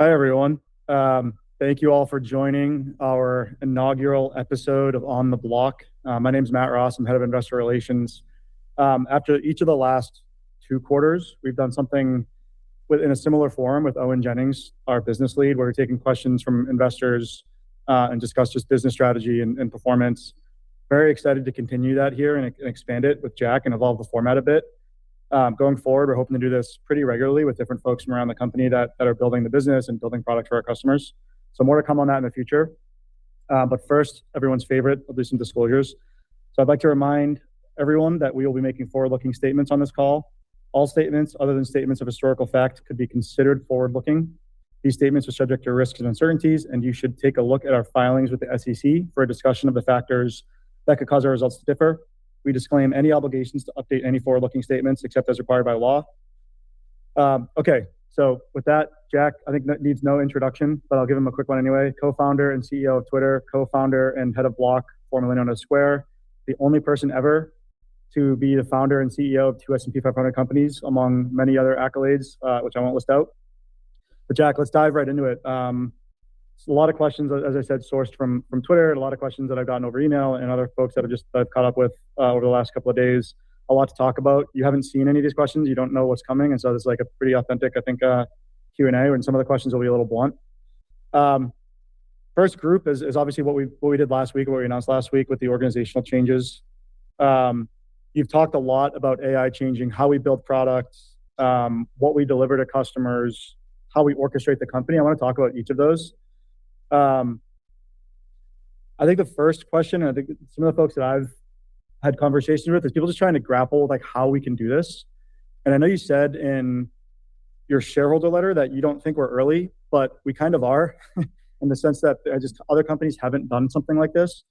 Hi, everyone. Thank you all for joining our inaugural episode of On the Block. My name's Matt Ross. I'm Head of Investor Relations. After each of the last two quarters, we've done something with, in a similar forum with Owen Jennings, our Business Lead. We're taking questions from investors and discuss just business strategy and performance. Very excited to continue that here and expand it with Jack and evolve the format a bit. Going forward, we're hoping to do this pretty regularly with different folks from around the company that are building the business and building product for our customers. More to come on that in the future. First, everyone's favorite, a list of disclosures. I'd like to remind everyone that we will be making forward-looking statements on this call. All statements other than statements of historical fact could be considered forward-looking. These statements are subject to risks and uncertainties, and you should take a look at our filings with the SEC for a discussion of the factors that could cause our results to differ. We disclaim any obligations to update any forward-looking statements except as required by law. Okay. With that, Jack, I think needs no introduction, but I'll give him a quick one anyway. Co-founder and CEO of Twitter, co-founder and head of Block, formerly known as Square. The only person ever to be the founder and CEO of two S&P 500 companies, among many other accolades, which I won't list out. Jack, let's dive right into it. A lot of questions, as I said, sourced from Twitter, and a lot of questions that I've gotten over email and other folks that I've just, I've caught up with over the last couple of days. A lot to talk about. You haven't seen any of these questions. You don't know what's coming. This is like a pretty authentic, I think, Q&A, and some of the questions will be a little blunt. First group is obviously what we, what we did last week or we announced last week with the organizational changes. You've talked a lot about AI changing how we build products, what we deliver to customers, how we orchestrate the company. I wanna talk about each of those. I think the first question, and I think some of the folks that I've had conversations with, is people just trying to grapple with like how we can do this. I know you said in your shareholder letter that you don't think we're early, but we kind of are in the sense that just other companies haven't done something like this.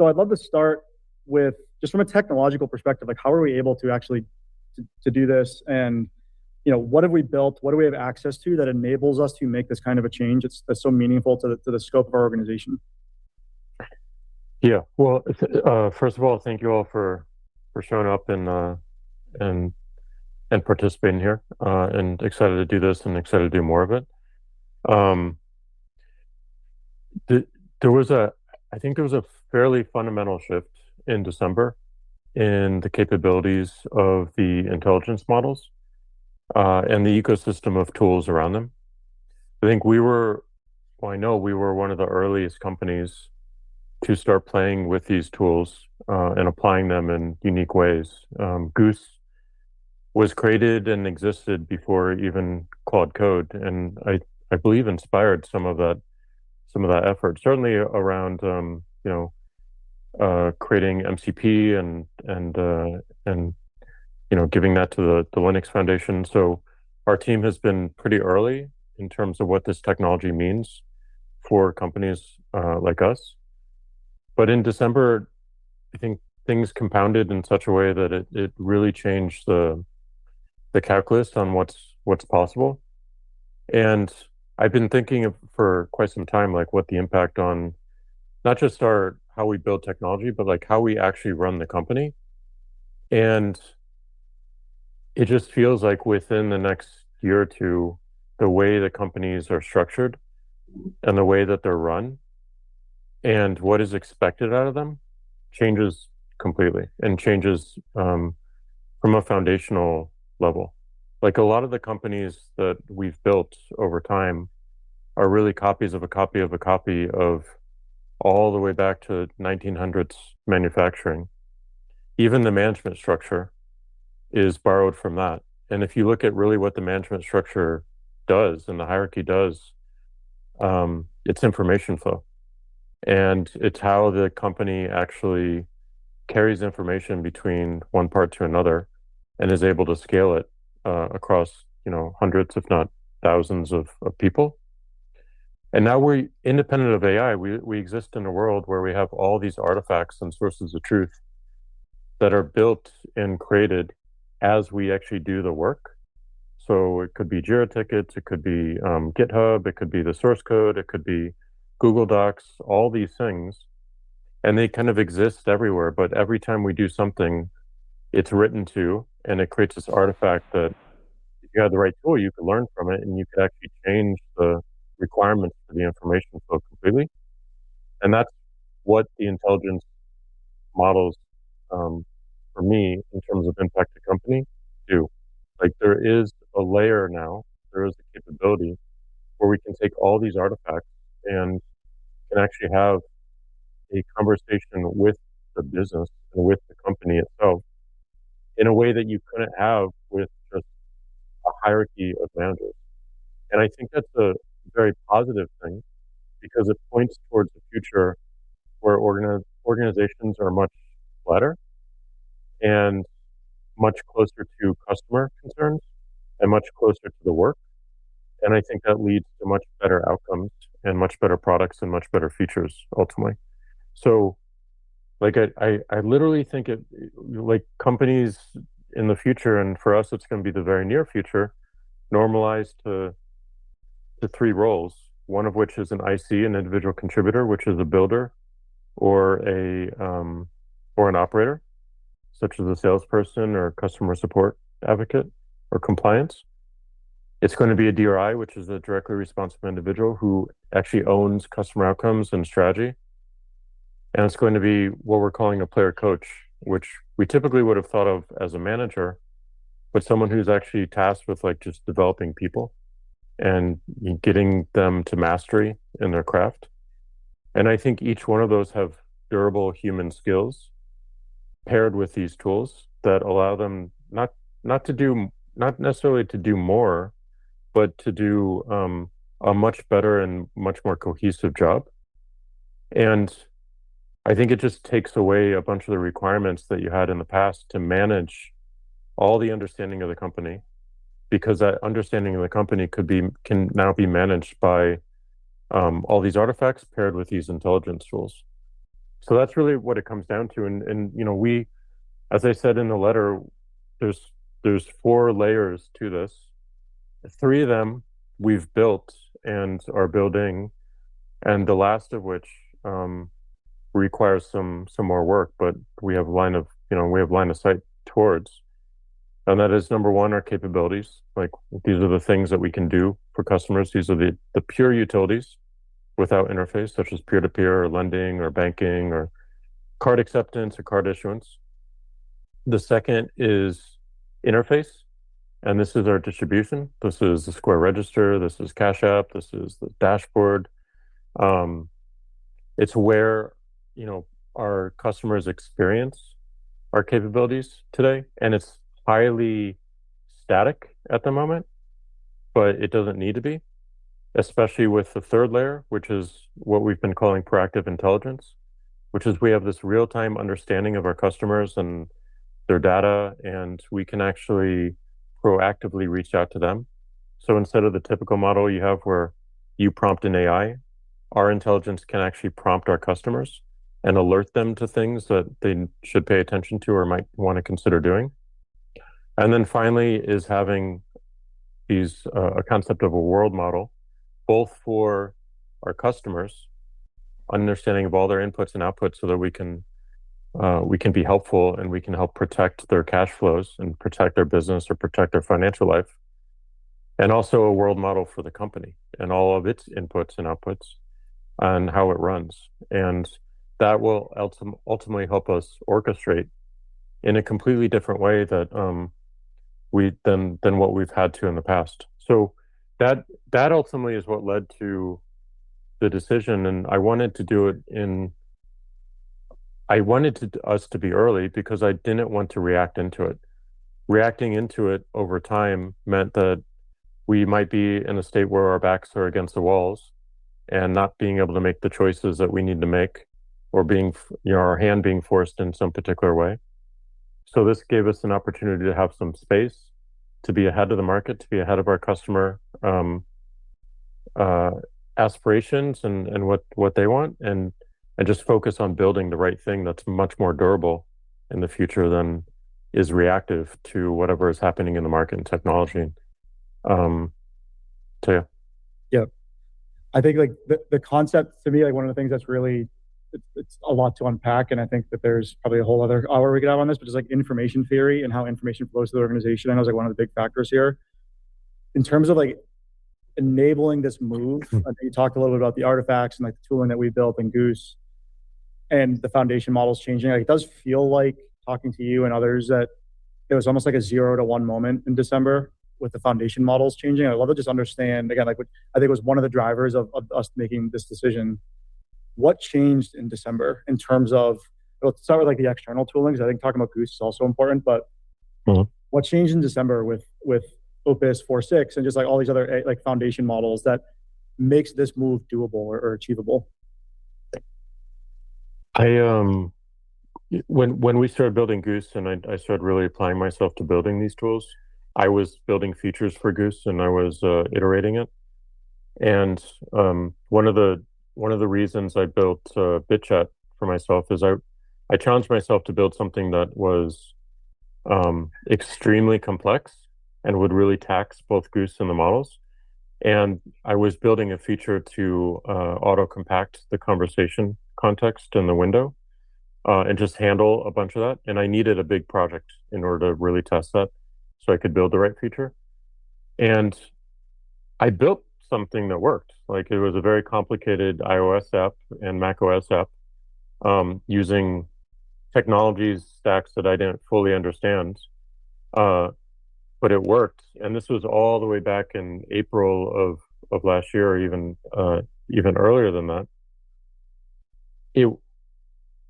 I'd love to start with just from a technological perspective, like how are we able actually to do this? You know, what have we built? What do we have access to that enables us to make this kind of a change that's so meaningful to the scope of our organization? Yeah. Well, first of all, thank you all for showing up and participating here, and excited to do this and excited to do more of it. There was a, I think there was a fairly fundamental shift in December in the capabilities of the intelligence models and the ecosystem of tools around them. I think, Well, I know we were one of the earliest companies to start playing with these tools and applying them in unique ways. Goose was created and existed before even Claude Code, and I believe inspired some of that effort, certainly around, you know, creating MCP and, you know, giving that to The Linux Foundation. Our team has been pretty early in terms of what this technology means for companies like us. In December, I think things compounded in such a way that it really changed the calculus on what's possible. I've been thinking of for quite some time, like, what the impact on not just how we build technology, but, like, how we actually run the company. It just feels like within the next year or two, the way the companies are structured and the way that they're run and what is expected out of them changes completely and changes from a foundational level. Like a lot of the companies that we've built over time are really copies of a copy of a copy of all the way back to 1900s manufacturing. Even the management structure is borrowed from that. If you look at really what the management structure does and the hierarchy does, it's information flow. It's how the company actually carries information between one part to another and is able to scale it, you know, across hundreds if not thousands of people. Now we're independent of AI. We exist in a world where we have all these artifacts and sources of truth that are built and created as we actually do the work. It could be Jira tickets, it could be GitHub, it could be the source code, it could be Google Docs, all these things, and they kind of exist everywhere. Every time we do something, it's written to, and it creates this artifact that if you have the right tool, you can learn from it, and you can actually change the requirements for the information flow completely. That's what the intelligence models, for me, in terms of impact to company, do. Like there is a layer now, there is a capability where we can take all these artifacts and can actually have a conversation with the business and with the company itself in a way that you couldn't have with just a hierarchy of managers. I think that's a very positive thing because it points towards the future where organizations are much flatter and much closer to customer concerns and much closer to the work. I think that leads to much better outcomes and much better products and much better features ultimately. Like I literally think companies in the future, and for us it's gonna be the very near future, normalized to three roles. One of which is an IC, an individual contributor, which is a builder or a or an operator such as a salesperson or a customer support advocate or compliance. It's gonna be a DRI, which is the directly responsible individual who actually owns customer outcomes and strategy, and it's going to be what we're calling a player coach, which we typically would have thought of as a manager, but someone who's actually tasked with, like, just developing people and getting them to mastery in their craft. I think each one of those have durable human skills paired with these tools that allow them not necessarily to do more, but to do a much better and much more cohesive job. I think it just takes away a bunch of the requirements that you had in the past to manage all the understanding of the company, because that understanding of the company can now be managed by all these artifacts paired with these intelligence tools. That's really what it comes down to. You know, as I said in the letter, there's four layers to this. Three of them we've built and are building, and the last of which requires some more work, but you know, we have line of sight towards. That is, number one, our capabilities. Like, these are the things that we can do for customers. These are the pure utilities without interface, such as peer-to-peer or lending or banking or card acceptance or card issuance. The second is interface, and this is our distribution. This is the Square Register, this is Cash App, this is the Dashboard. it's where, you know, our customers experience our capabilities today. It's highly static at the moment, but it doesn't need to be, especially with the third layer, which is what we've been calling proactive intelligence. We have this real-time understanding of our customers and their data, and we can actually proactively reach out to them. Instead of the typical model you have where you prompt an AI, our intelligence can actually prompt our customers and alert them to things that they should pay attention to or might wanna consider doing. Finally is having these, a concept of a world model, both for our customers, understanding of all their inputs and outputs so that we can be helpful, and we can help protect their cash flows and protect their business or protect their financial life. Also a world model for the company and all of its inputs and outputs and how it runs. That will ultimately help us orchestrate in a completely different way that than what we've had to in the past. That, that ultimately is what led to the decision, I wanted to do it us to be early because I didn't want to react into it. Reacting into it over time meant that we might be in a state where our backs are against the walls and not being able to make the choices that we need to make or being you know, our hand being forced in some particular way. This gave us an opportunity to have some space to be ahead of the market, to be ahead of our customer aspirations and what they want, and just focus on building the right thing that's much more durable in the future than is reactive to whatever is happening in the market and technology. Yeah. I think, like, the concept, to me, like one of the things that's really, it's a lot to unpack. I think that there's probably a whole other hour we could have on this. Just like information theory and how information flows through the organization I know is like one of the big factors here. In terms of like enabling this move. Mm-hmm. I know you talked a little bit about the artifacts and like the tooling that we built in Goose and the foundation models changing. It does feel like talking to you and others that it was almost like a zero to one moment in December with the foundation models changing. I'd love to just understand, again, like what I think was one of the drivers of us making this decision. What changed in December in terms of? Let's start with like the external toolings. I think talking about Goose is also important, but. Mm-hmm. What changed in December with Opus 4.6 and just like all these other like foundation models that makes this move doable or achievable? I, When we started building Goose and I started really applying myself to building these tools, I was building features for Goose, and I was iterating it. One of the reasons I built BitChat for myself is I challenged myself to build something that was extremely complex and would really tax both Goose and the models. I was building a feature to auto compact the conversation context in the window and just handle a bunch of that, and I needed a big project in order to really test that, so I could build the right feature. I built something that worked. Like it was a very complicated iOS app and macOS app, using technologies stacks that I didn't fully understand, but it worked. This was all the way back in April of last year or even earlier than that.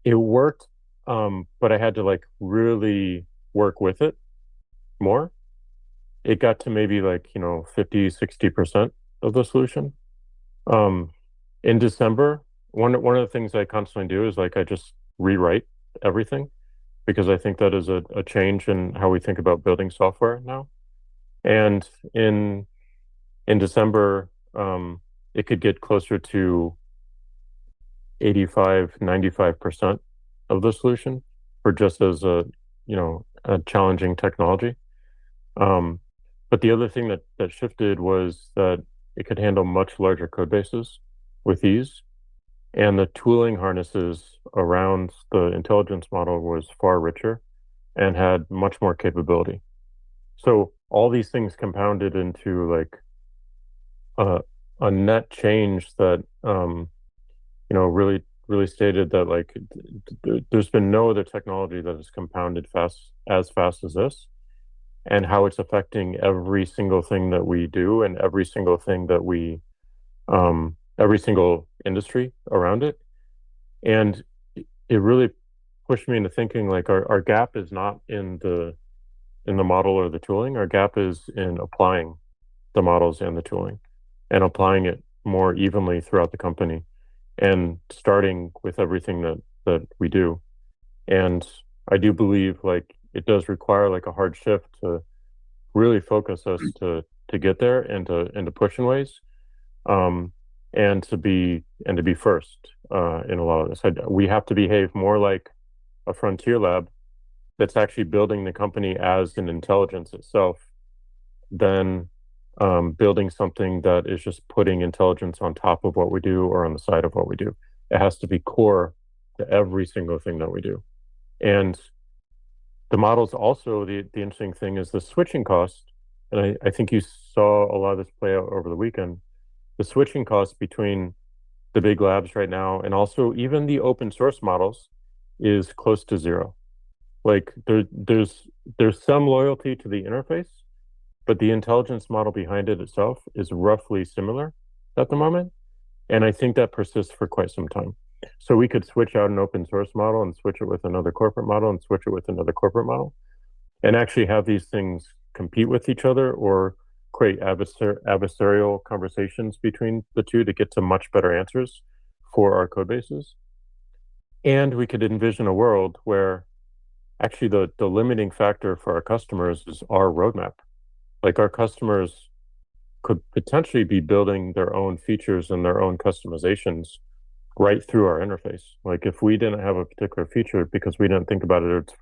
It worked, but I had to like, really work with it more. It got to maybe like, you know, 50%, 60% of the solution. In December, one of the things I constantly do is like I just rewrite everything because I think that is a change in how we think about building software now. In December, it could get closer to 85%, 95% of the solution for just as a, you know, a challenging technology. But the other thing that shifted was that it could handle much larger code bases with ease, and the tooling harnesses around the intelligence model was far richer and had much more capability. All these things compounded into like a net change that, you know, really stated that like there's been no other technology that has compounded fast, as fast as this, and how it's affecting every single thing that we do and every single thing that we, every single industry around it. It really pushed me into thinking like our gap is not in the model or the tooling. Our gap is in applying the models and the tooling, and applying it more evenly throughout the company, and starting with everything that we do. I do believe, like it does require like a hard shift to really focus us to get there and to push in ways, and to be first, in a lot of this. We have to behave more like a frontier lab that's actually building the company as an intelligence itself than building something that is just putting intelligence on top of what we do or on the side of what we do. It has to be core to every single thing that we do. The models also, the interesting thing is the switching cost, and I think you saw a lot of this play out over the weekend. The switching cost between the big labs right now and also even the open source models is close to zero. Like there's some loyalty to the interface, but the intelligence model behind it itself is roughly similar at the moment, and I think that persists for quite some time. We could switch out an open source model and switch it with another corporate model, and switch it with another corporate model, and actually have these things compete with each other or create adversarial conversations between the two to get to much better answers for our code bases. We could envision a world where actually the limiting factor for our customers is our roadmap. Like, our customers could potentially be building their own features and their own customizations right through our interface. Like, if we didn't have a particular feature because we didn't think about it or it's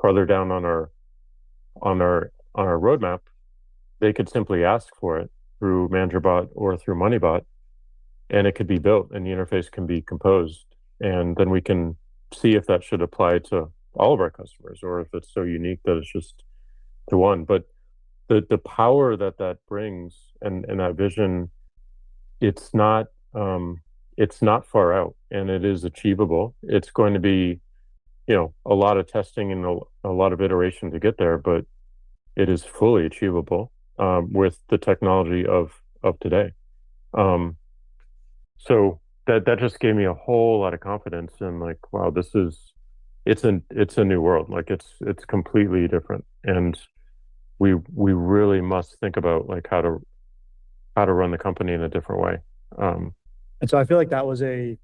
farther down on our roadmap, they could simply ask for it through ManagerBot or through MoneyBot, and it could be built, and the interface can be composed. Then we can see if that should apply to all of our customers or if it's so unique that it's just the one. The power that brings and that vision, it's not far out, and it is achievable. It's going to be, you know, a lot of testing and a lot of iteration to get there, but it is fully achievable with the technology of today. That just gave me a whole lot of confidence and like, wow, this is. It's a new world. Like it's completely different. We really must think about like how to run the company in a different way. I feel like that was a,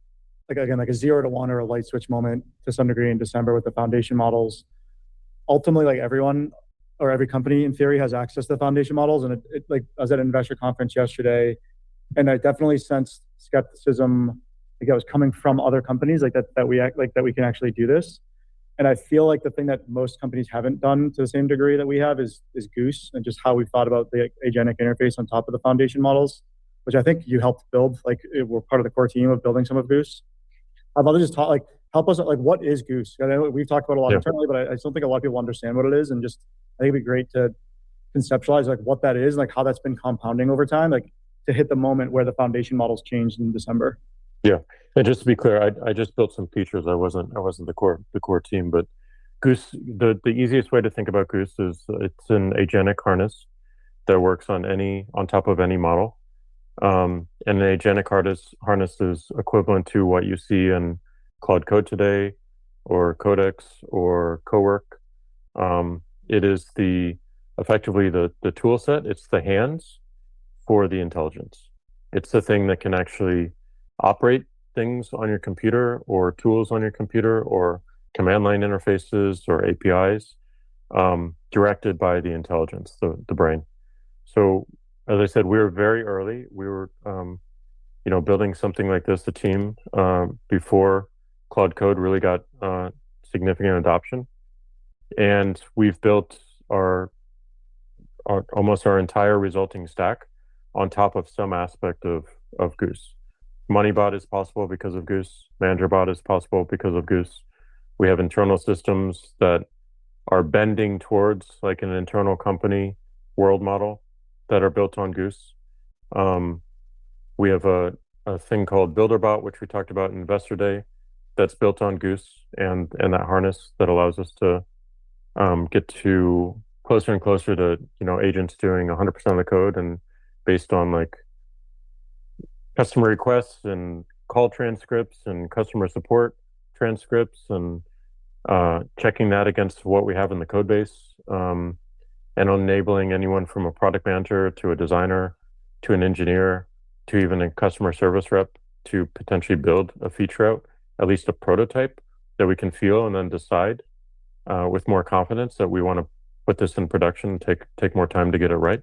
again, a zero to one or a light switch moment to some degree in December with the foundation models. Ultimately, everyone or every company in theory has access to foundation models, and it. I was at an investor conference yesterday, and I definitely sensed skepticism, that was coming from other companies that we can actually do this. I feel like the thing that most companies haven't done to the same degree that we have is Goose and just how we've thought about the agentic interface on top of the foundation models, which I think you helped build. We're part of the core team of building some of Goose. I'll just help us. What is Goose? I know we've talked about a lot internally. Yeah I still think a lot of people understand what it is, and just I think it'd be great to conceptualize like what that is and like how that's been compounding over time, like to hit the moment where the foundation models changed in December. Yeah. Just to be clear, I just built some features. I wasn't the core team. Goose, the easiest way to think about Goose is it's an agentic harness that works on top of any model. An agentic harness is equivalent to what you see in Cloud Code today or Codex or Cowork. It is effectively the tool set. It's the hands for the intelligence. It's the thing that can actually operate things on your computer or tools on your computer or command line interfaces or APIs, directed by the intelligence, the brain. As I said, we're very early. We were, you know, building something like this, the team, before Cloud Code really got significant adoption. We've built our almost our entire resulting stack on top of some aspect of Goose. MoneyBot is possible because of Goose. ManagerBot is possible because of Goose. We have internal systems that are bending towards like an internal company world model that are built on Goose. We have a thing called BuilderBot, which we talked about in Investor Day, that's built on Goose and that harness that allows us to get to closer and closer to, you know, agents doing 100% of the code and based on like customer requests and call transcripts and customer support transcripts and checking that against what we have in the code base, and enabling anyone from a product manager to a designer to an engineer to even a customer service rep to potentially build a feature out, at least a prototype that we can feel and then decide with more confidence that we wanna put this in production, take more time to get it right.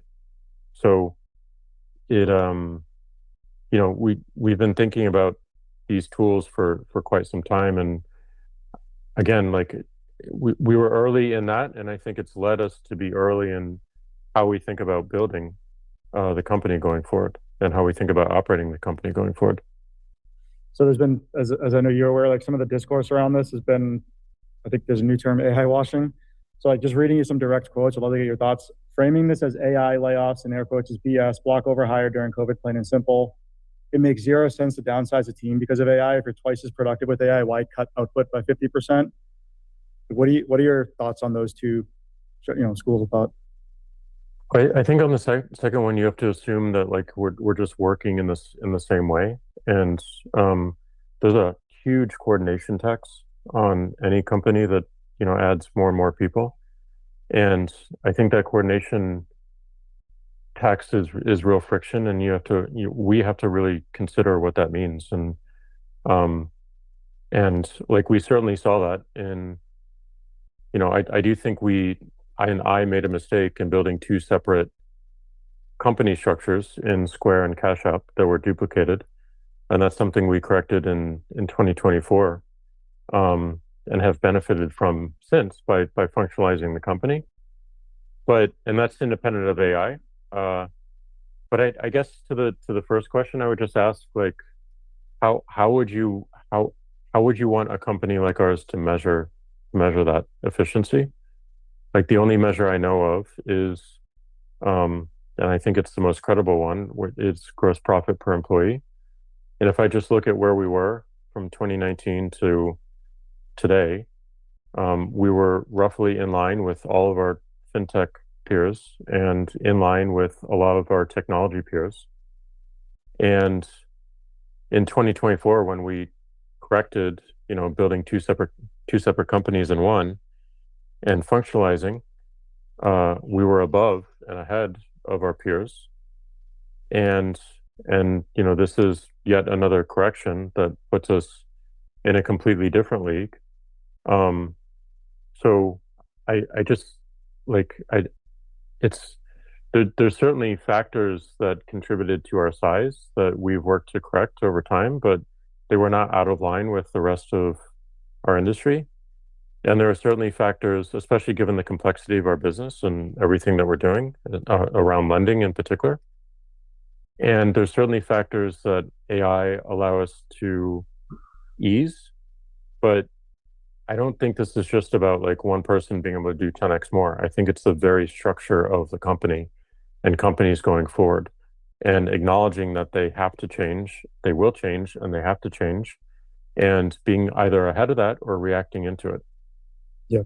It, you know, we've been thinking about these tools for quite some time. Again, like we were early in that, and I think it's led us to be early in how we think about building the company going forward and how we think about operating the company going forward. There's been, as I know you're aware, like some of the discourse around this has been, I think there's a new term, AI washing. Just reading you some direct quotes, I'd love to get your thoughts. Framing this as AI layoffs and air quotes is BS. Block over hire during COVID, plain and simple. It makes zero sense to downsize a team because of AI. If you're twice as productive with AI, why cut output by 50%? What are your thoughts on those two, you know, schools of thought? I think on the second one, you have to assume that like we're just working in the same way. There's a huge coordination tax on any company that, you know, adds more and more people. I think that coordination tax is real friction, and You know, we have to really consider what that means. Like we certainly saw that in. You know, I do think I made a mistake in building two separate company structures in Square and Cash App that were duplicated, and that's something we corrected in 2024 and have benefited from since by functionalizing the company. That's independent of AI. I guess to the first question, I would just ask like how would you want a company like ours to measure that efficiency? Like the only measure I know of is, and I think it's the most credible one, it's gross profit per employee. If I just look at where we were from 2019 to today, we were roughly in line with all of our fintech peers and in line with a lot of our technology peers. In 2024, when we corrected, you know, building two separate companies in one and functionalizing, we were above and ahead of our peers. You know, this is yet another correction that puts us in a completely different league. I just like There's certainly factors that contributed to our size that we've worked to correct over time, but they were not out of line with the rest of our industry. There are certainly factors, especially given the complexity of our business and everything that we're doing around lending in particular, and there's certainly factors that AI allow us to ease. I don't think this is just about like one person being able to do 10x more. I think it's the very structure of the company and companies going forward and acknowledging that they have to change, they will change, and they have to change, and being either ahead of that or reacting into it. Yeah.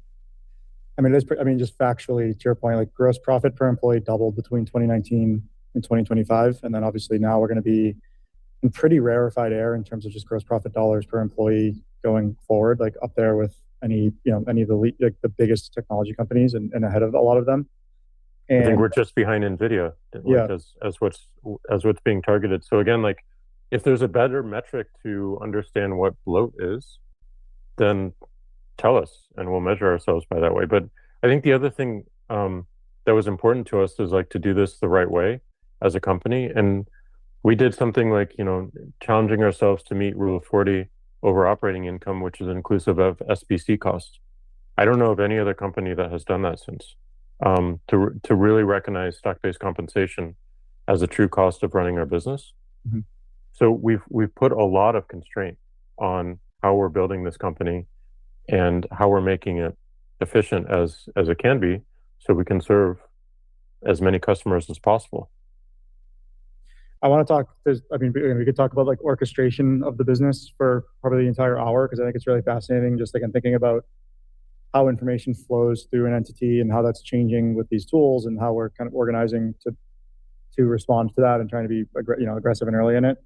I mean, there's I mean, just factually to your point, like gross profit per employee doubled between 2019 and 2025, obviously now we're gonna be in pretty rarefied air in terms of just gross profit dollars per employee going forward, like up there with any, you know, any of the like the biggest technology companies and ahead of a lot of them. I think we're just behind NVIDIA. Yeah As what's being targeted. Again, like if there's a better metric to understand what bloat is, then tell us, and we'll measure ourselves by that way. I think the other thing that was important to us is like to do this the right way as a company, and we did something like, you know, challenging ourselves to meet Rule of 40 over operating income, which is inclusive of SBC costs. I don't know of any other company that has done that since to really recognize stock-based compensation as a true cost of running our business. Mm-hmm. We've put a lot of constraint on how we're building this company and how we're making it efficient as it can be, so we can serve as many customers as possible. I wanna talk. There's I mean, we could talk about like orchestration of the business for probably the entire hour because I think it's really fascinating, just like in thinking about how information flows through an entity and how that's changing with these tools and how we're kind of organizing to respond to that and trying to be you know, aggressive and early in it.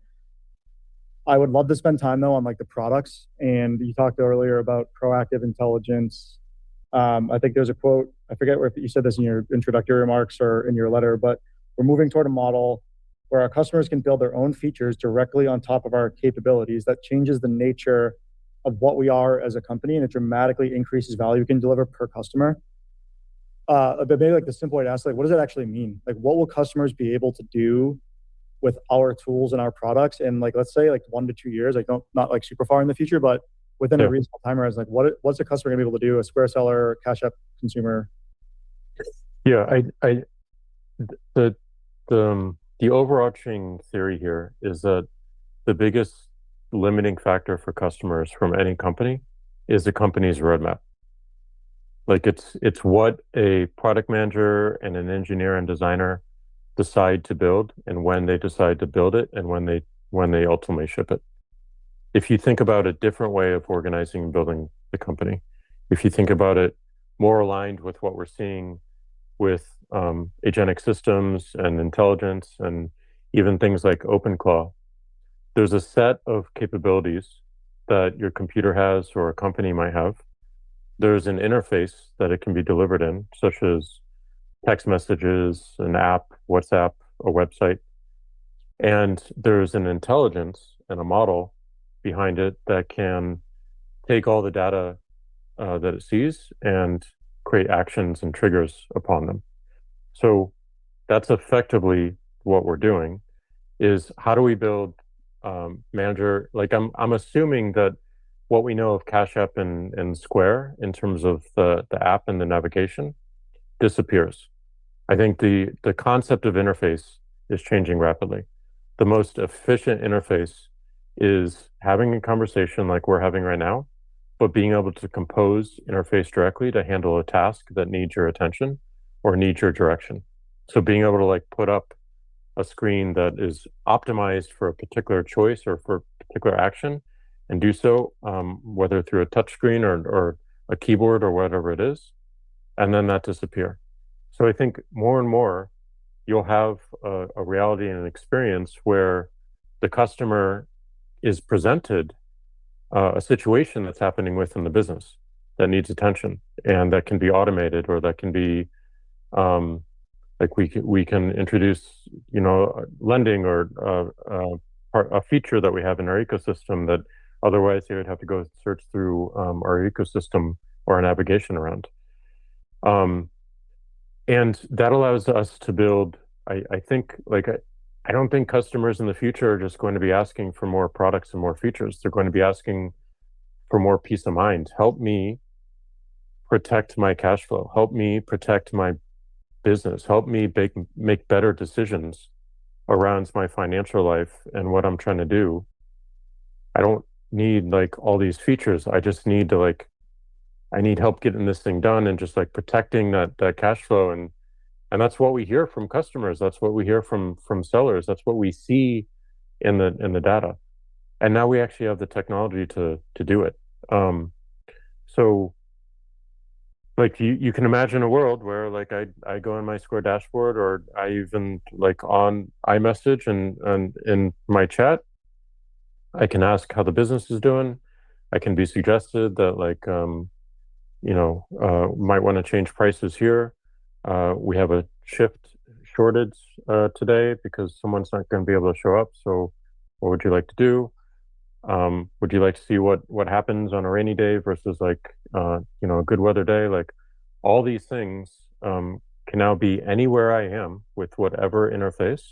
I would love to spend time though on like the products, and you talked earlier about proactive intelligence. I think there's a quote, I forget where if you said this in your introductory remarks or in your letter, but we're moving toward a model where our customers can build their own features directly on top of our capabilities. That changes the nature of what we are as a company, and it dramatically increases value we can deliver per customer. Maybe like the simple way to ask, like what does that actually mean? Like what will customers be able to do with our tools and our products in like, let's say, like one to two years? Like not like super far in the future, but within. Yeah A reasonable time horizon. Like what's the customer gonna be able to do, a Square seller, a Cash App consumer? Yeah, I. The overarching theory here is that the biggest limiting factor for customers from any company is the company's roadmap. Like it's what a product manager and an engineer and designer decide to build and when they decide to build it and when they ultimately ship it. If you think about a different way of organizing and building the company, if you think about it more aligned with what we're seeing with agentic systems and intelligence and even things like OpenClaw, there's a set of capabilities that your computer has or a company might have. There's an interface that it can be delivered in, such as text messages, an app, WhatsApp, a website, and there's an intelligence and a model behind it that can take all the data that it sees and create actions and triggers upon them. That's effectively what we're doing is how do we build, Like I'm assuming that what we know of Cash App and Square in terms of the app and the navigation disappears. I think the concept of interface is changing rapidly. The most efficient interface is having a conversation like we're having right now, but being able to compose interface directly to handle a task that needs your attention or needs your direction. Being able to like put up a screen that is optimized for a particular choice or for a particular action and do so, whether through a touch screen or a keyboard or whatever it is, and then that disappear. I think more and more you'll have a reality and an experience where the customer is presented a situation that's happening within the business that needs attention, and that can be automated or that can be, like we can introduce, you know, lending or a feature that we have in our ecosystem that otherwise you would have to go search through our ecosystem or a navigation around. That allows us to build, I think, like I don't think customers in the future are just going to be asking for more products and more features. They're going to be asking for more peace of mind. Help me protect my cash flow, help me protect my business, help me make better decisions around my financial life and what I'm trying to do. I don't need like all these features. I just need to like I need help getting this thing done and just like protecting that cash flow and that's what we hear from customers. That's what we hear from sellers. That's what we see in the data. Now we actually have the technology to do it. Like you can imagine a world where like I go in my Square Dashboard or I even like on iMessage and in my chat, I can ask how the business is doing. I can be suggested that like, you know, might wanna change prices here. We have a shift shortage today because someone's not gonna be able to show up, what would you like to do? Would you like to see what happens on a rainy day versus like, you know, a good weather day? Like, all these things can now be anywhere I am with whatever interface,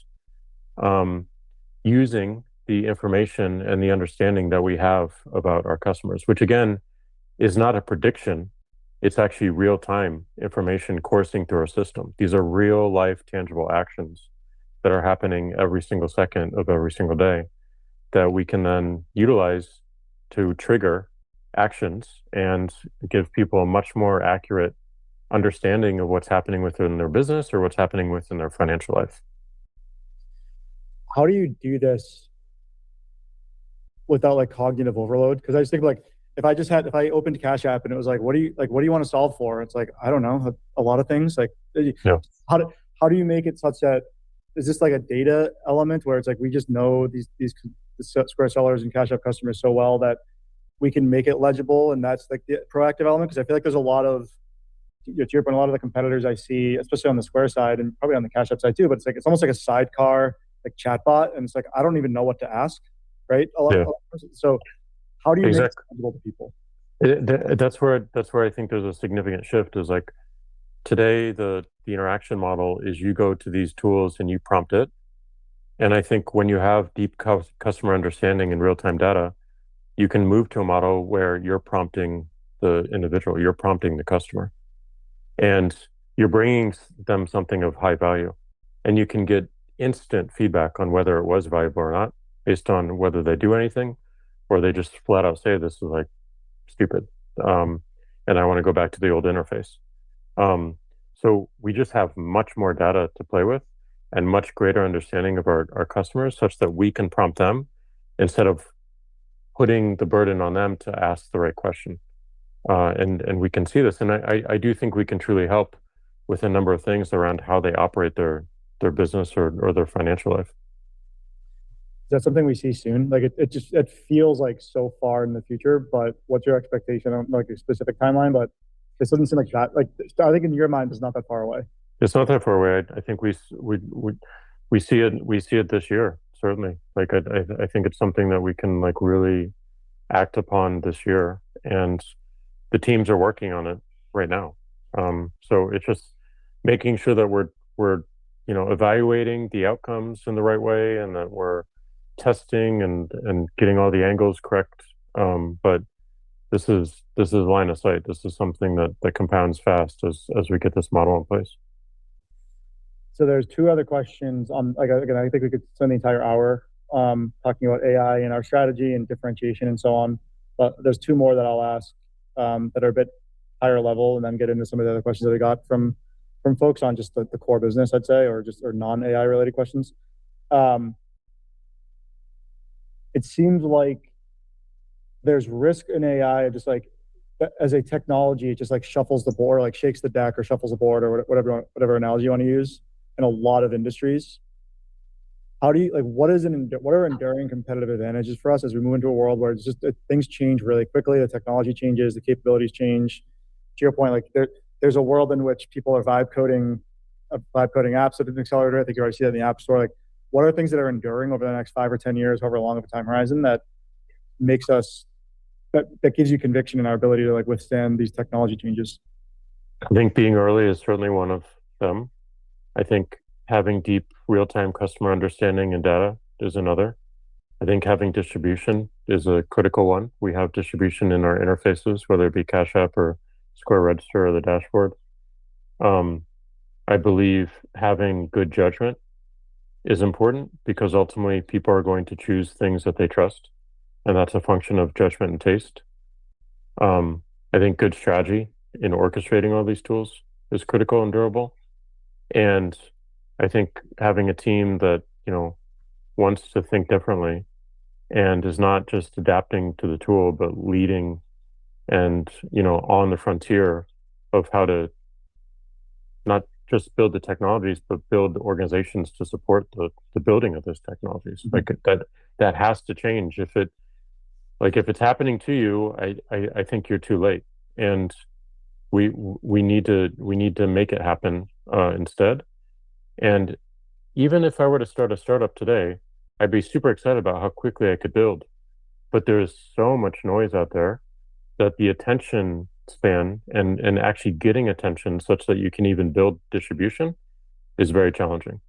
using the information and the understanding that we have about our customers. Which again, is not a prediction, it's actually real-time information coursing through our system. These are real life tangible actions that are happening every single second of every single day that we can then utilize to trigger actions and give people a much more accurate understanding of what's happening within their business or what's happening within their financial life. How do you do this without like cognitive overload? 'Cause I just think like if I opened Cash App and it was like, "What do you wanna solve for?" It's like, I don't know, a lot of things. Yeah How do you make it such that is this like a data element where it's like we just know these Square sellers and Cash App customers so well that we can make it legible, and that's like the proactive element? 'Cause I feel like there's a lot of, To your point, a lot of the competitors I see, especially on the Square side and probably on the Cash App side too, but it's like it's almost like a sidecar like chatbot, and it's like I don't even know what to ask, right? A lot of- Yeah How do Exactly Make it comfortable to people? That's where, that's where I think there's a significant shift is like today the interaction model is you go to these tools and you prompt it. I think when you have deep customer understanding and real-time data, you can move to a model where you're prompting the individual, you're prompting the customer, and you're bringing them something of high value, and you can get instant feedback on whether it was valuable or not based on whether they do anything or they just flat out say, "This is like stupid, and I wanna go back to the old interface." We just have much more data to play with and much greater understanding of our customers such that we can prompt them instead of putting the burden on them to ask the right question. We can see this, and I do think we can truly help with a number of things around how they operate their business or their financial life. Is that something we see soon? Like it just, it feels like so far in the future. What's your expectation on like a specific timeline? This doesn't seem like that. Like I think in your mind it's not that far away. It's not that far away. I think we see it this year, certainly. Like I think it's something that we can like really act upon this year, and the teams are working on it right now. It's just making sure that we're, you know, evaluating the outcomes in the right way and that we're testing and getting all the angles correct. This is line of sight. This is something that compounds fast as we get this model in place. There's two other questions. like again, I think we could spend the entire hour talking about AI and our strategy and differentiation and so on, but there's two more that I'll ask that are a bit higher level, and then get into some of the other questions that I got from folks on just the core business, I'd say, or just, or non-AI related questions. It seems like there's risk in AI, just like as a technology, it just like shuffles the board, like shakes the deck or shuffles the board or whatever analogy you wanna use in a lot of industries. How do you, like what is what are enduring competitive advantages for us as we move into a world where it's just things change really quickly, the technology changes, the capabilities change? To your point, like there's a world in which people are vibe coding, vibe coding apps at an accelerator. I think you already see that in the App Store. Like what are the things that are enduring over the next five or 10 years, however long of a time horizon, that gives you conviction in our ability to, like, withstand these technology changes? I think being early is certainly one of them. I think having deep real-time customer understanding and data is another. I think having distribution is a critical one. We have distribution in our interfaces, whether it be Cash App or Square Register or the dashboard. I believe having good judgment is important because ultimately people are going to choose things that they trust, and that's a function of judgment and taste. I think good strategy in orchestrating all these tools is critical and durable. And I think having a team that, you know, wants to think differently and is not just adapting to the tool, but leading and, you know, on the frontier of how to not just build the technologies, but build the organizations to support the building of those technologies. Like, that has to change. If like, if it's happening to you, I think you're too late. We need to make it happen instead. Even if I were to start a startup today, I'd be super excited about how quickly I could build. There is so much noise out there that the attention span and actually getting attention such that you can even build distribution is very challenging,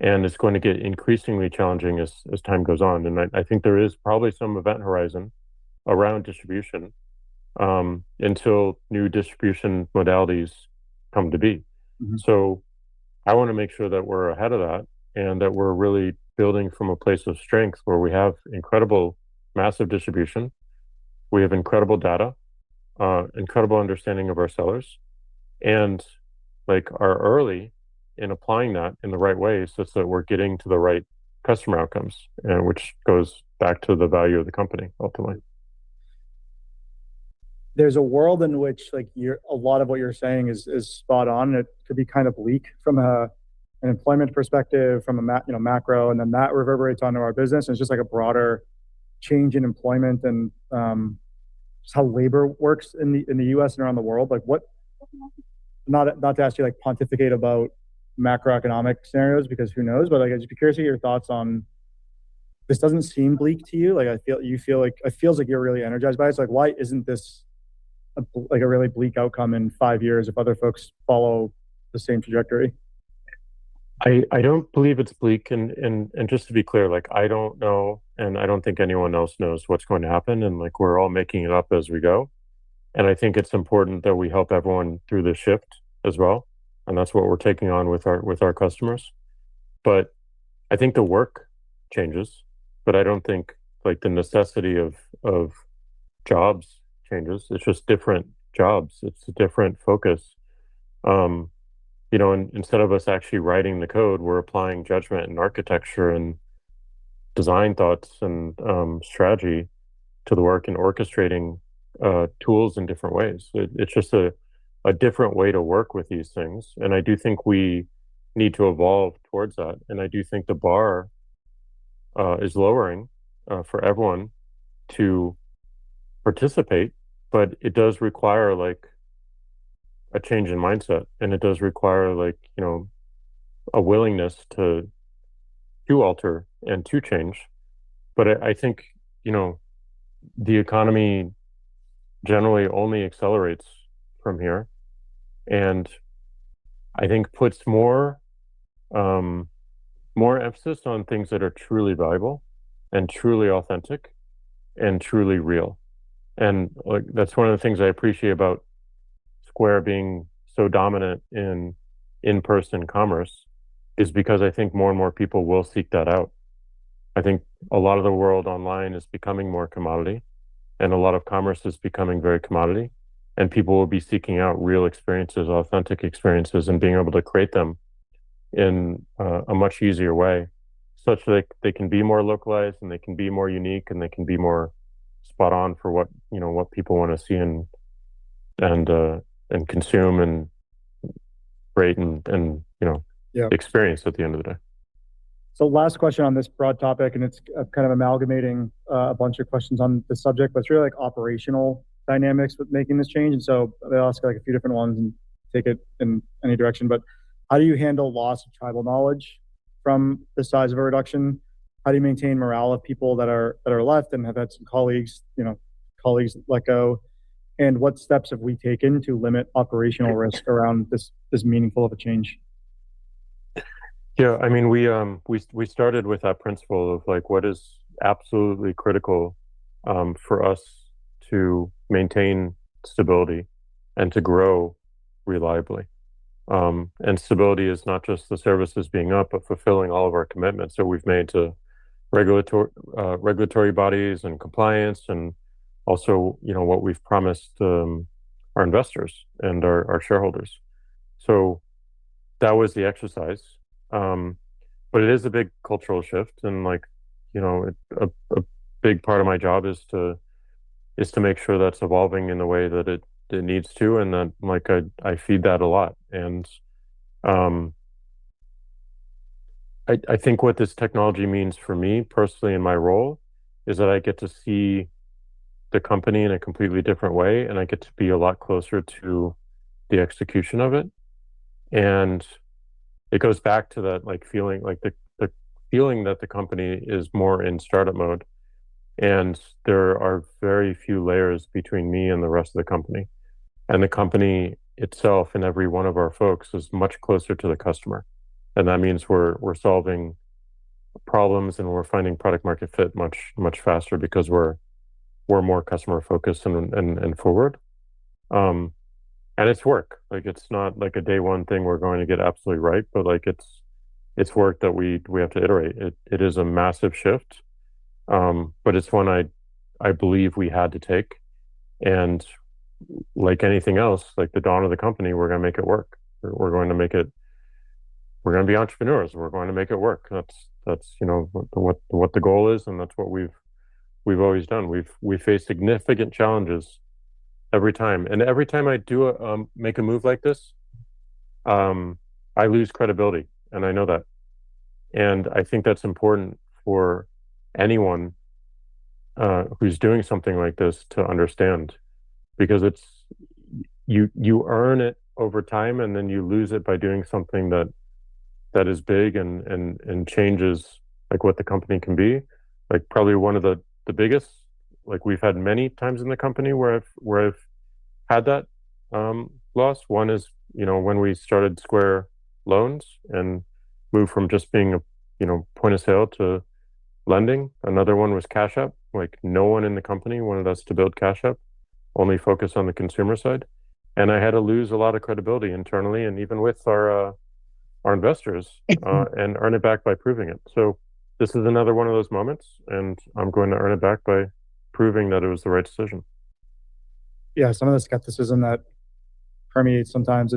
and it's going to get increasingly challenging as time goes on. I think there is probably some event horizon around distribution until new distribution modalities come to be. Mm-hmm. I wanna make sure that we're ahead of that and that we're really building from a place of strength where we have incredible massive distribution, we have incredible data, incredible understanding of our sellers, and, like, are early in applying that in the right way such that we're getting to the right customer outcomes, which goes back to the value of the company ultimately. There's a world in which, like, a lot of what you're saying is spot on. It could be kind of bleak from a, an employment perspective, from a, you know, macro, and then that reverberates onto our business, and it's just like a broader change in employment and just how labor works in the U.S. and around the world. Like, not to ask you to, like, pontificate about macroeconomic scenarios because who knows? Like, I'd just be curious of your thoughts on this doesn't seem bleak to you. It feels like you're really energized by it, so, like, why isn't this a, like, a really bleak outcome in five years if other folks follow the same trajectory? I don't believe it's bleak and just to be clear, like, I don't know and I don't think anyone else knows what's going to happen, and, like, we're all making it up as we go. I think it's important that we help everyone through the shift as well, and that's what we're taking on with our, with our customers. I think the work changes, but I don't think, like, the necessity of jobs changes. It's just different jobs. It's a different focus. you know, instead of us actually writing the code, we're applying judgment and architecture and design thoughts and strategy to the work and orchestrating tools in different ways. It's just a different way to work with these things. I do think we need to evolve towards that. I do think the bar is lowering for everyone to participate. It does require, like, a change in mindset, and it does require, like, you know, a willingness to alter and to change. I think, you know, the economy generally only accelerates from here and I think puts more emphasis on things that are truly valuable and truly authentic and truly real. Like, that's one of the things I appreciate about Square being so dominant in in-person commerce is because I think more and more people will seek that out. I think a lot of the world online is becoming more commodity, and a lot of commerce is becoming very commodity, and people will be seeking out real experiences, authentic experiences, and being able to create them in a much easier way such that they can be more localized, and they can be more unique, and they can be more spot on for what, you know, what people wanna see and consume and create and, you know. Yeah experience at the end of the day. Last question on this broad topic, and it's, kind of amalgamating a bunch of questions on this subject, but it's really, like, operational dynamics with making this change. They ask, like, a few different ones and take it in any direction. How do you handle loss of tribal knowledge from the size of a reduction? How do you maintain morale of people that are left and have had some colleagues, you know, colleagues let go? What steps have we taken to limit operational risk around this meaningful of a change? Yeah. I mean, we started with that principle of, like, what is absolutely critical for us to maintain stability and to grow reliably. Stability is not just the services being up, but fulfilling all of our commitments that we've made to regulatory bodies and compliance and also, you know, what we've promised our investors and our shareholders. That was the exercise. It is a big cultural shift and, like, you know, a big part of my job is to make sure that's evolving in the way that it needs to, like, I feed that a lot. I think what this technology means for me personally in my role is that I get to see the company in a completely different way, and I get to be a lot closer to the execution of it. It goes back to that like feeling like the feeling that the company is more in startup mode and there are very few layers between me and the rest of the company. The company itself and every one of our folks is much closer to the customer, and that means we're solving problems and we're finding product market fit much, much faster because we're more customer-focused and forward. It's work. Like, it's not like a day one thing we're going to get absolutely right. Like it's work that we have to iterate. It is a massive shift, but it's one I believe we had to take and like anything else, like the dawn of the company, we're going to make it work. We're going to make it, we're going to be entrepreneurs and we're going to make it work. That's, you know, what the goal is. That's what we've always done. We've faced significant challenges every time. Every time I do make a move like this, I lose credibility, I know that. I think that's important for anyone who's doing something like this to understand because it's, you earn it over time then you lose it by doing something that is big and changes like what the company can be. Probably one of the biggest like we've had many times in the company where I've had that loss. One is, you know, when we started Square Loans and moved from just being a, you know, point of sale to lending. Another one was Cash App. No one in the company wanted us to build Cash App, only focus on the consumer side. I had to lose a lot of credibility internally and even with our investors and earn it back by proving it. This is another one of those moments, and I'm going to earn it back by proving that it was the right decision. Yeah. Some of the skepticism that permeates sometimes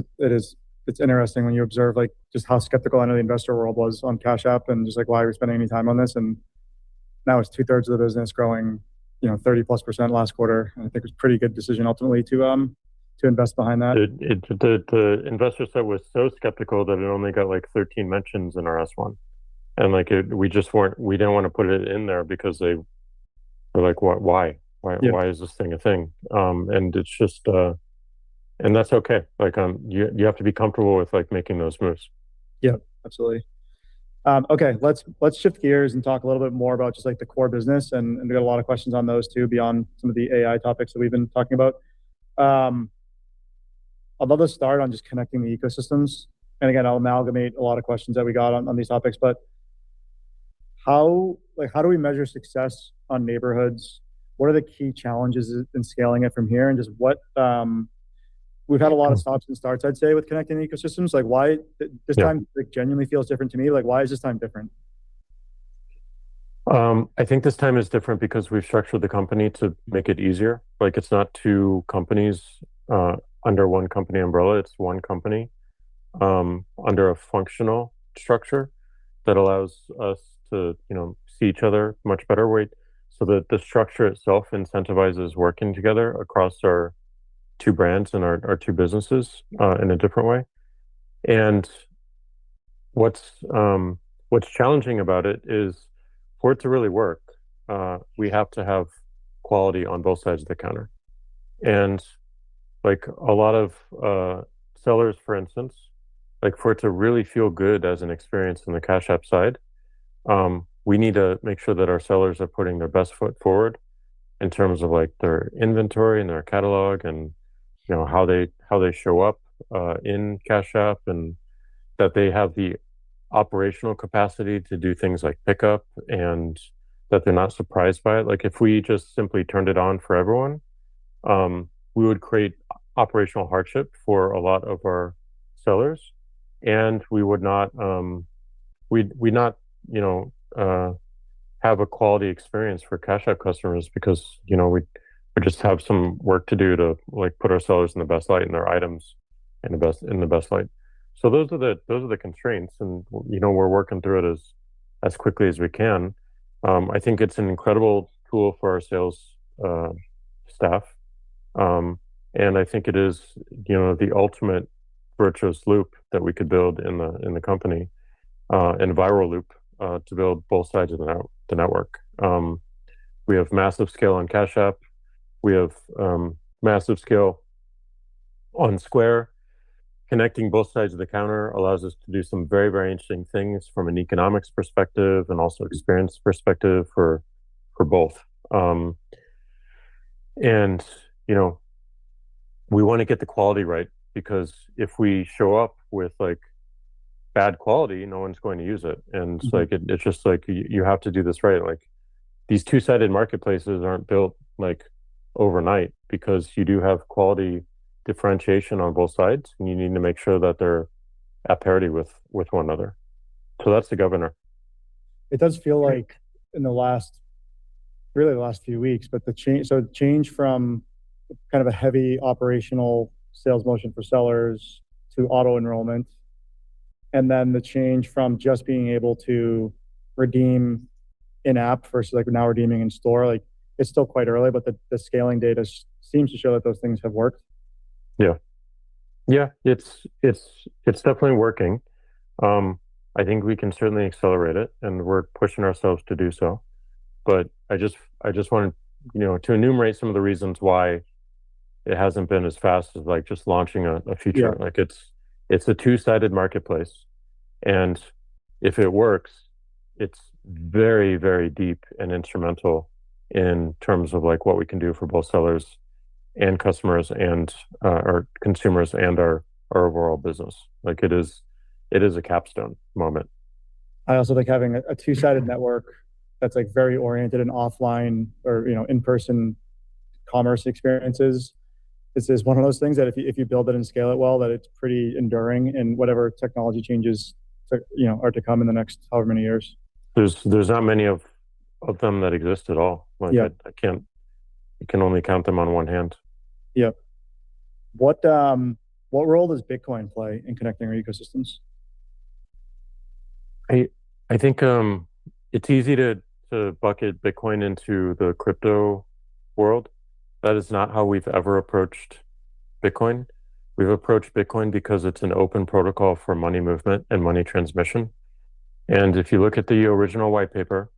it's interesting when you observe like just how skeptical I know the investor world was on Cash App and just like, "Why are we spending any time on this?" Now it's two-thirds of the business growing, you know, 30%+ last quarter, I think it was a pretty good decision ultimately to invest behind that. It the investor set was so skeptical that it only got like 13 mentions in RS-1. Like we just weren't we didn't wanna put it in there because they were like, "What? Why? Why is this thing a thing?" It's just. That's okay. Like, you have to be comfortable with like making those moves. Yeah. Absolutely. Okay. Let's shift gears and talk a little bit more about just like the core business and we got a lot of questions on those too beyond some of the AI topics that we've been talking about. I'd love to start on just connecting the ecosystems, and again, I'll amalgamate a lot of questions that we got on these topics. How, like how do we measure success on Neighborhoods? What are the key challenges in scaling it from here? Just what, we've had a lot of stops and starts, I'd say, with connecting ecosystems, like why this time? Yeah It genuinely feels different to me. Like, why is this time different? I think this time is different because we've structured the company to make it easier. Like it's not two companies under one company umbrella, it's one company under a functional structure that allows us to, you know, see each other much better. So the structure itself incentivizes working together across our two brands and our two businesses in a different way. What's challenging about it is for it to really work, we have to have quality on both sides of the counter. Like a lot of sellers, for instance, like for it to really feel good as an experience in the Cash App side, we need to make sure that our sellers are putting their best foot forward in terms of like their inventory and their catalog and, you know, how they show up in Cash App, and that they have the operational capacity to do things like pickup and that they're not surprised by it. Like if we just simply turned it on for everyone, we would create operational hardship for a lot of our sellers, and we would not, we'd not, you know, have a quality experience for Cash App customers because, you know, we just have some work to do to like put ourselves in the best light and our items in the best, in the best light. Those are the constraints and, you know, we're working through it as quickly as we can. I think it's an incredible tool for our sales staff, and I think it is, you know, the ultimate virtuous loop that we could build in the company, and a viral loop to build both sides of the network. We have massive scale on Cash App, we have massive scale on Square. Connecting both sides of the counter allows us to do some very interesting things from an economics perspective and also experience perspective for both. You know, we wanna get the quality right because if we show up with like bad quality, no one's going to use it. Like, it's just like you have to do this right. These two-sided marketplaces aren't built like overnight because you do have quality differentiation on both sides, and you need to make sure that they're at parity with one another. That's the governor. It does feel like in the last, really the last few weeks, so the change from kind of a heavy operational sales motion for sellers to auto-enrollment, and then the change from just being able to redeem in-app versus like we're now redeeming in store. Like it's still quite early, but the scaling data seems to show that those things have worked. Yeah. It's definitely working. I think we can certainly accelerate it, and we're pushing ourselves to do so. I just wanted, you know, to enumerate some of the reasons why it hasn't been as fast as, like, just launching a feature. Yeah. Like it's a two-sided marketplace, and if it works, it's very, very deep and instrumental in terms of, like, what we can do for both sellers and customers and our consumers and our overall business. Like it is a capstone moment. I also think having a two-sided network that's, like, very oriented and offline or, you know, in-person commerce experiences, this is one of those things that if you, if you build it and scale it well, that it's pretty enduring and whatever technology changes you know, are to come in the next however many years. There's not many of them that exist at all. Yeah. Like I can only count them on one hand. Yep. What role does Bitcoin play in connecting our ecosystems? I think it's easy to bucket Bitcoin into the crypto world. That is not how we've ever approached Bitcoin. We've approached Bitcoin because it's an open protocol for money movement and money transmission, and if you look at the original whitepaper,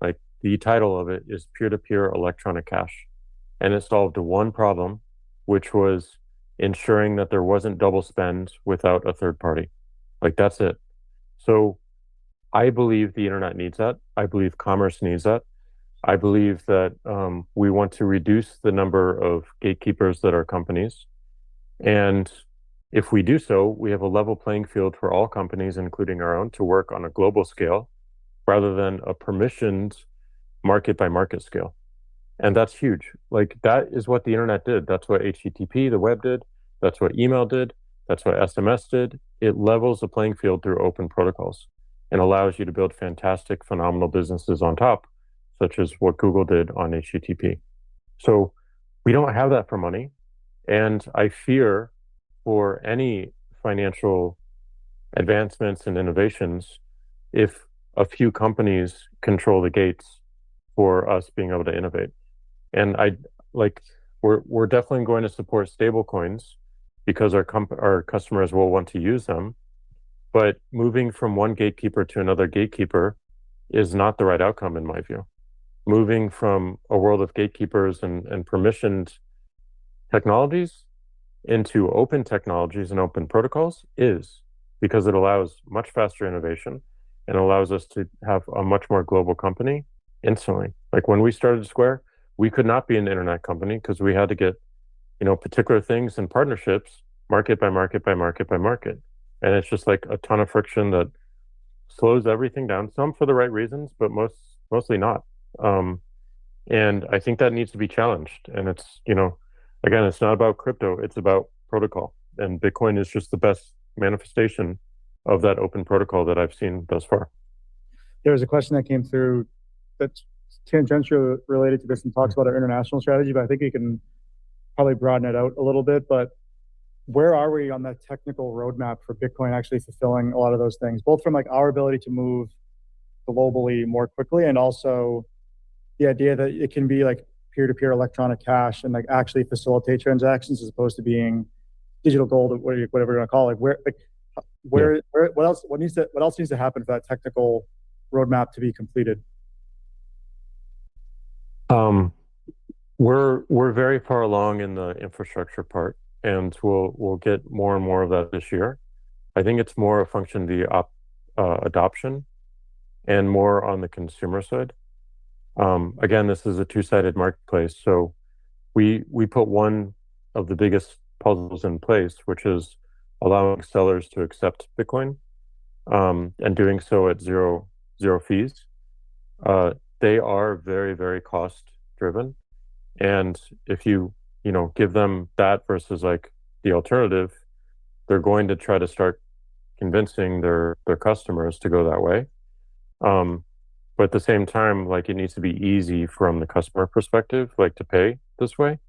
like the title of it is Peer-to-Peer Electronic Cash, and it solved one problem, which was ensuring that there wasn't double spend without a third party. Like, that's it. I believe the internet needs that. I believe commerce needs that. I believe that we want to reduce the number of gatekeepers that are companies, and if we do so, we have a level playing field for all companies, including our own, to work on a global scale rather than a permissioned market by market scale, and that's huge. Like, that is what the internet did. That's what HTTP, the web did. That's what email did. That's what SMS did. It levels the playing field through open protocols and allows you to build fantastic, phenomenal businesses on top, such as what Google did on HTTP. We don't have that for money, and I fear for any financial advancements and innovations if a few companies control the gates for us being able to innovate. Like we're definitely going to support stablecoins because our customers will want to use them, but moving from one gatekeeper to another gatekeeper is not the right outcome in my view. Moving from a world of gatekeepers and permissioned technologies into open technologies and open protocols is because it allows much faster innovation and allows us to have a much more global company instantly. When we started Square, we could not be an internet company 'cause we had to get, you know, particular things and partnerships market by market by market by market, and it's just like a ton of friction that slows everything down. Some for the right reasons, but mostly not. I think that needs to be challenged, and it's, you know. Again, it's not about crypto, it's about protocol, and Bitcoin is just the best manifestation of that open protocol that I've seen thus far. There was a question that came through that's tangentially related to this and talks about our international strategy, but I think you can probably broaden it out a little bit. Where are we on that technical roadmap for Bitcoin actually fulfilling a lot of those things, both from like our ability to move globally more quickly and also the idea that it can be like Peer-to-Peer Electronic Cash and like actually facilitate transactions as opposed to being digital gold or whatever you wanna call it? Yeah. What else needs to happen for that technical roadmap to be completed? We're very far along in the infrastructure part, and we'll get more and more of that this year. I think it's more a function of the adoption and more on the consumer side. Again, this is a two-sided marketplace, so we put one of the biggest puzzles in place, which is allowing sellers to accept Bitcoin, and doing so at zero fees. They are very, very cost driven, and if you know, give them that versus like the alternative, they're going to try to start convincing their customers to go that way. At the same time, like it needs to be easy from the customer perspective, like to pay this way.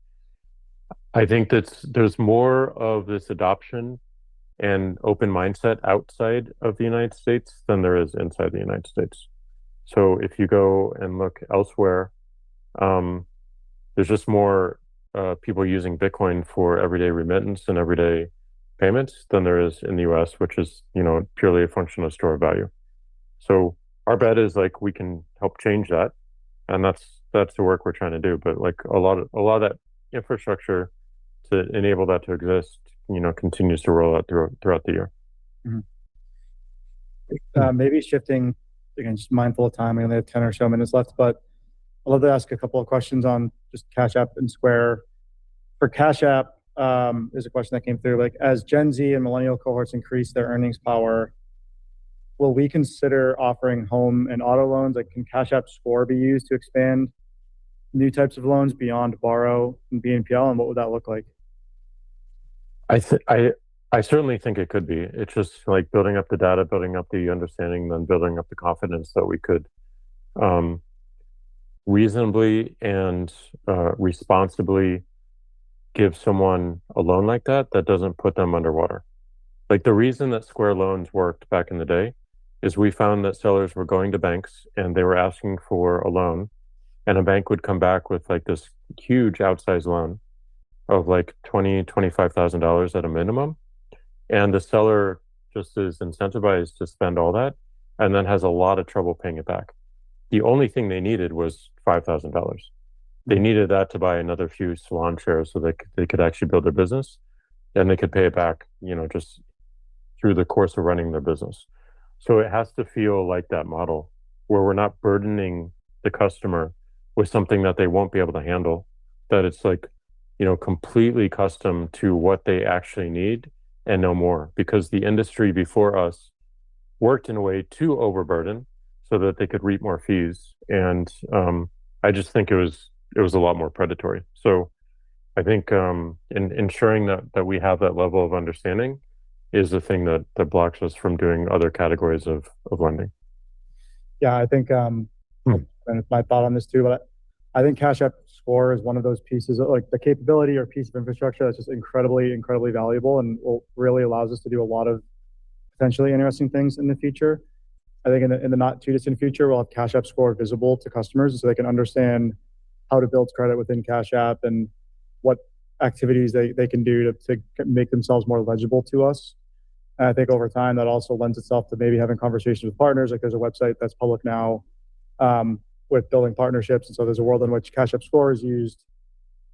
I think that's there's more of this adoption and open mindset outside of the United States than there is inside the United States. If you go and look elsewhere, there's just more people using Bitcoin for everyday remittance and everyday payments than there is in the U.S., which is, you know, purely a function of store value. Our bet is like we can help change that, and that's the work we're trying to do. Like a lot of that infrastructure to enable that to exist, you know, continues to roll out throughout the year. Again, just mindful of time. We only have 10 or so minutes left, but I'd love to ask a couple of questions on just Cash App and Square. For Cash App, there's a question that came through, like as Gen Z and Millennial cohorts increase their earnings power, will we consider offering home and auto loans? Like can Cash App's score be used to expand new types of loans beyond Borrow and BNPL, what would that look like? I certainly think it could be. It's just like building up the data, building up the understanding, then building up the confidence that we could reasonably and responsibly give someone a loan like that that doesn't put them underwater. The reason that Square Loans worked back in the day is we found that sellers were going to banks, and they were asking for a loan, and a bank would come back with, like, this huge outsized loan of, like, $25,000 at a minimum. The seller just is incentivized to spend all that and then has a lot of trouble paying it back. The only thing they needed was $5,000. They needed that to buy another few salon chairs so they could actually build their business and they could pay it back, you know, just through the course of running their business. It has to feel like that model where we're not burdening the customer with something that they won't be able to handle, that it's like, you know, completely custom to what they actually need and no more. The industry before us worked in a way to overburden so that they could reap more fees, and I just think it was a lot more predatory. I think, in ensuring that we have that level of understanding is the thing that blocks us from doing other categories of lending. Yeah. I think, and it's my thought on this too, but I think Cash App Score is one of those pieces that like the capability or piece of infrastructure that's just incredibly valuable and will really allows us to do a lot of potentially interesting things in the future. I think in the not too distant future, we'll have Cash App Score visible to customers so they can understand how to build credit within Cash App and what activities they can do to make themselves more legible to us. I think over time, that also lends itself to maybe having conversations with partners. Like, there's a website that's public now, with building partnerships. There's a world in which Cash App Score is used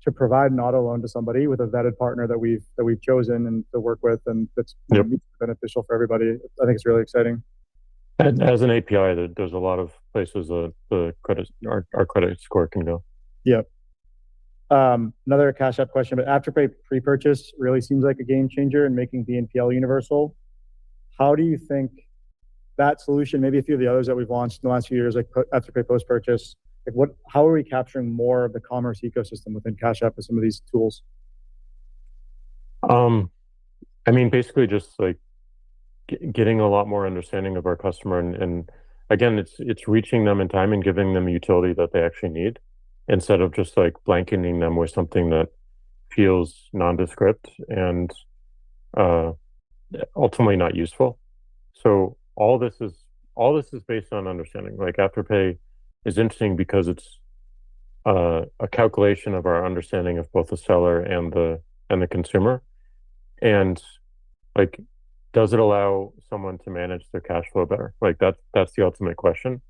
to provide an auto loan to somebody with a vetted partner that we've chosen and to work with, and that's. Yep Beneficial for everybody. I think it's really exciting. As an API that there's a lot of places that the credit, our credit score can go. Yep. another Cash App question, but Afterpay pre-purchase really seems like a game changer in making BNPL universal. How do you think that solution, maybe a few of the others that we've launched in the last few years, like Afterpay post-purchase, like how are we capturing more of the commerce ecosystem within Cash App with some of these tools? I mean, basically just like getting a lot more understanding of our customer and again, it's reaching them in time and giving them utility that they actually need instead of just like blanketing them with something that feels nondescript and ultimately not useful. All this is, all this is based on understanding. Like Afterpay is interesting because it's a calculation of our understanding of both the seller and the consumer. Like, does it allow someone to manage their cash flow better? Like that's the ultimate question,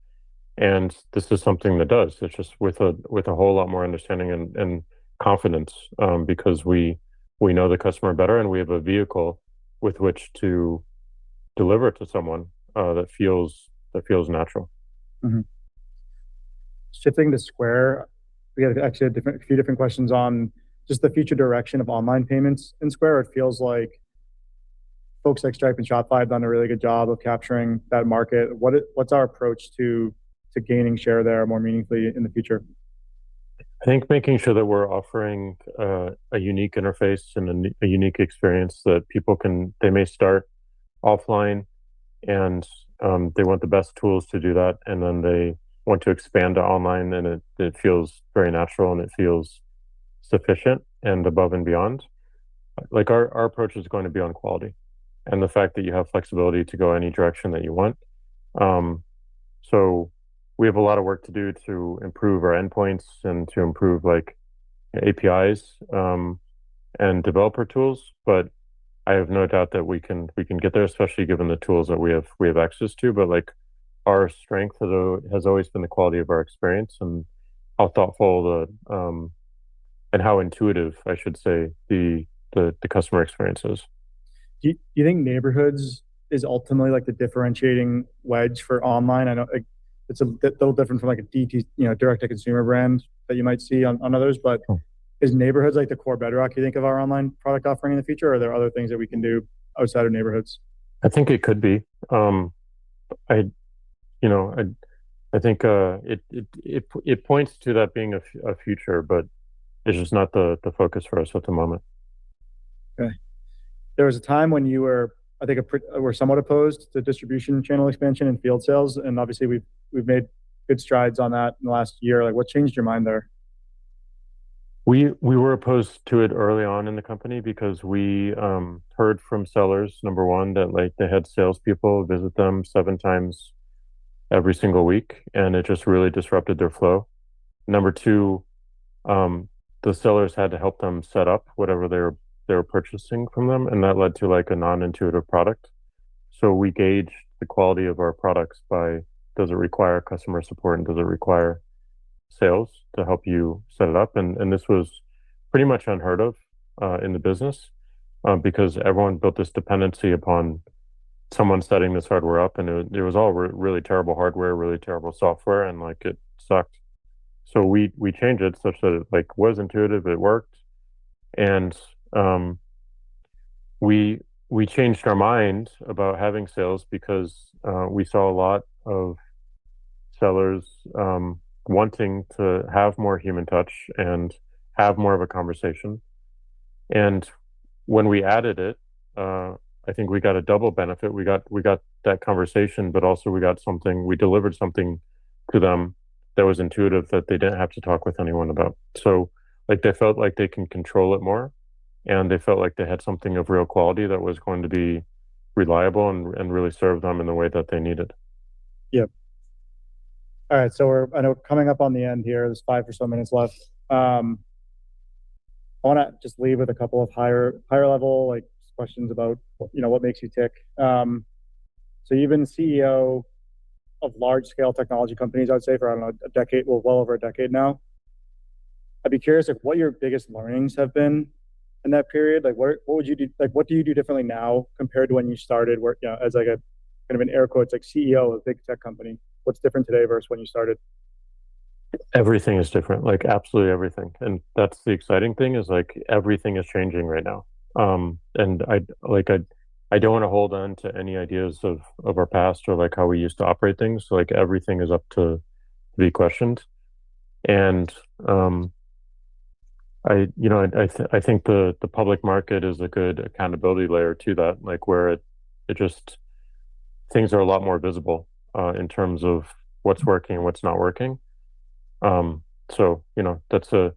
and this is something that does. It's just with a whole lot more understanding and confidence because we know the customer better, and we have a vehicle with which to deliver to someone that feels natural. Mm-hmm. Shifting to Square, we had actually a few different questions on just the future direction of online payments in Square. It feels like folks like Stripe and Shopify have done a really good job of capturing that market. What's our approach to gaining share there more meaningfully in the future? I think making sure that we're offering a unique interface and a unique experience that people can. They may start offline and they want the best tools to do that, and then they want to expand to online, and it feels very natural, and it feels sufficient and above and beyond. Like our approach is going to be on quality and the fact that you have flexibility to go any direction that you want. We have a lot of work to do to improve our endpoints and to improve like APIs and developer tools, but I have no doubt that we can get there, especially given the tools that we have access to. Like our strength has always been the quality of our experience and how thoughtful the, and how intuitive, I should say, the customer experience is. Do you think Neighborhoods is ultimately like the differentiating wedge for online? I know, like it's a little different from like a DT, you know, Direct-to-Consumer brand that you might see on others. Cool Is Neighborhoods like the core bedrock you think of our online product offering in the future, or are there other things that we can do outside of Neighborhoods? I think it could be. I, you know, I think it points to that being a future, but it's just not the focus for us at the moment. Okay. There was a time when you were, I think, a were somewhat opposed to distribution channel expansion and field sales, obviously we've made good strides on that in the last year. Like, what changed your mind there? We were opposed to it early on in the company because we heard from sellers, number one, that like they had sales people visit them seven times every single week. It just really disrupted their flow. Number two, the sellers had to help them set up whatever they're purchasing from them. That led to like a non-intuitive product. We gauged the quality of our products by does it require customer support and does it require sales to help you set it up? This was pretty much unheard of in the business because everyone built this dependency upon someone setting this hardware up, and it was all really terrible hardware, really terrible software. It sucked. We changed it such that it like was intuitive, it worked. We changed our mind about having sales because we saw a lot of sellers wanting to have more human touch and have more of a conversation. When we added it, I think we got a double benefit. We got that conversation, but also we got something, we delivered something to them that was intuitive that they didn't have to talk with anyone about. Like they felt like they can control it more and they felt like they had something of real quality that was going to be reliable and really serve them in the way that they needed. Yep. All right, I know we're coming up on the end here. There's five or so minutes left. I wanna just leave with a couple of higher level like just questions about what, you know, what makes you tick. You've been CEO of large scale technology companies, I would say, for, I don't know, a decade or well over a decade now. I'd be curious like what your biggest learnings have been in that period. Like what would you do? Like, what do you do differently now compared to when you started, you know, as like a kind of an air quotes like, "CEO" of a big tech company, what's different today versus when you started? Everything is different, like absolutely everything. That's the exciting thing, is like everything is changing right now. like I don't wanna hold on to any ideas of our past or like how we used to operate things. Like everything is up to be questioned. I, you know, I think the public market is a good accountability layer to that, like where it just things are a lot more visible in terms of what's working and what's not working. You know, that's a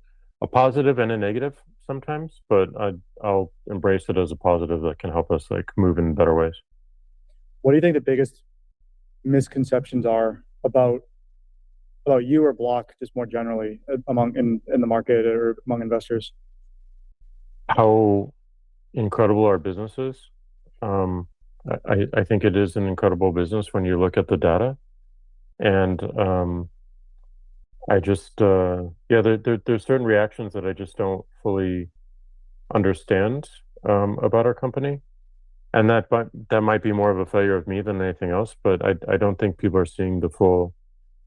positive and a negative sometimes, but I'll embrace it as a positive that can help us like move in better ways. What do you think the biggest misconceptions are about you or Block just more generally among in the market or among investors? How incredible our business is. I think it is an incredible business when you look at the data. I just, yeah, there are certain reactions that I just don't fully understand about our company, and that might be more of a failure of me than anything else. But I don't think people are seeing the full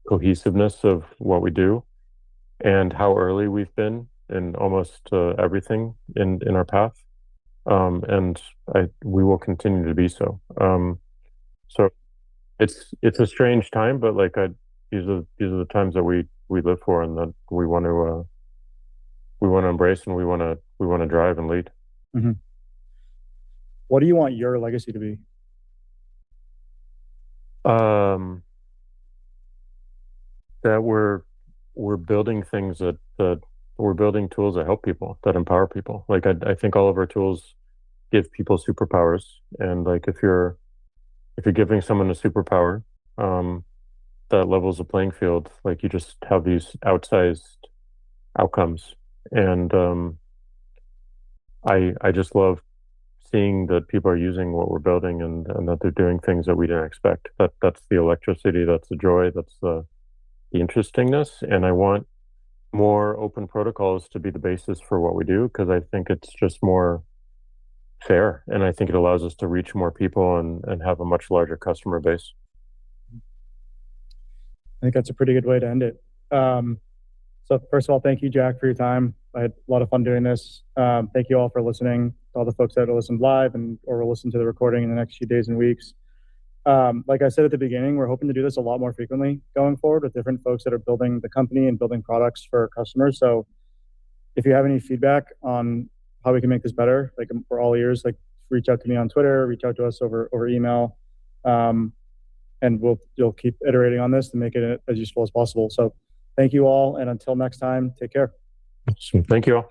cohesiveness of what we do and how early we've been in almost everything in our path. We will continue to be so. It's a strange time, but like these are the times that we live for and that we want to, we wanna embrace and we wanna drive and lead. Mm-hmm. What do you want your legacy to be? That we're building things that we're building tools that help people, that empower people. Like I think all of our tools give people superpowers and like if you're giving someone a superpower, that levels the playing field. Like you just have these outsized outcomes and I just love seeing that people are using what we're building and that they're doing things that we didn't expect. That's the electricity, that's the joy, that's the interestingness. I want more open protocols to be the basis for what we do, 'cause I think it's just more fair. I think it allows us to reach more people and have a much larger customer base. I think that's a pretty good way to end it. First of all, thank you Jack for your time. I had a lot of fun doing this. Thank you all for listening, to all the folks that have listened live and or will listen to the recording in the next few days and weeks. Like I said at the beginning, we're hoping to do this a lot more frequently going forward with different folks that are building the company and building products for our customers. If you have any feedback on how we can make this better, like we're all ears, like reach out to me on X, reach out to us over email, and we'll keep iterating on this to make it as useful as possible. Thank you all, until next time, take care. Awesome. Thank you all.